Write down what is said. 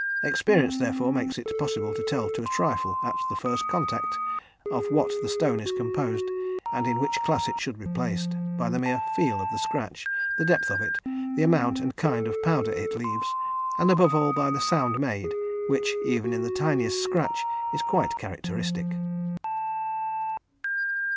Experience, therefore, makes it possible to tell to a trifle, at the first contact, of what the stone is composed, and in which class it should be placed, by the mere "feel" of the scratch, the depth of it, the amount and kind of powder it leaves, and above all, by the sound made, which, even in the tiniest scratch, is quite characteristic.